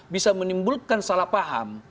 bisa menimbulkan salah paham